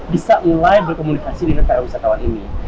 bisa mulai berkomunikasi dengan para wisatawan ini